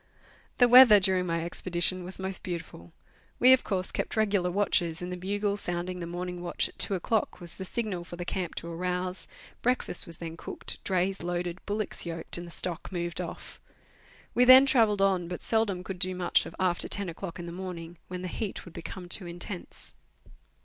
The weather during my expedition was most beautiful. We, of course, kept regular watches, and the bugle sounding the morning watch at two o'clock was the signal for the camp to arouse; breakfast was then cooked, drays loaded, bullocks yoked, and the stock moved off. We then travelled on, but seldom could do much after ten o'clock in the morning, when the heat would become too intense.